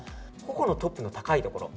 頬のトップの高いところ。